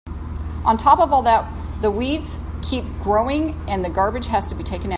On top of all that, the weeds keep growing and the garbage has to be taken out.